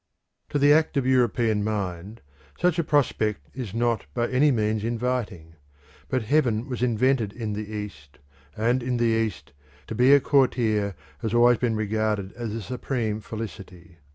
To the active European mind such a prospect is not by any means inviting; but heaven was invented in the East, and in the East to be a courtier has always been regarded as the supreme felicity.